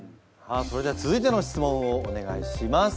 それでは続いての質問をお願いします。